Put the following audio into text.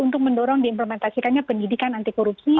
untuk mendorong diimplementasikannya pendidikan anti korupsi